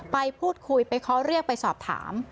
ไปพูดคุยไปเคาะเรียกไปสอบถาม